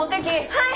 はい！